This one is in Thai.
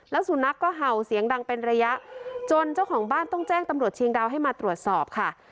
แล้วสุนัขก็เห่าเสียงดังเป็นระยะจนเจ้าของบ้านต้องแจ้งตำรวจเชียงดาวให้มาตรวจสอบค่ะ